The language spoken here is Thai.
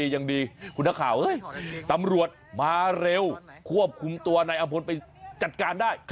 ยังดีคุณนักข่าวตำรวจมาเร็วควบคุมตัวนายอำพลไปจัดการได้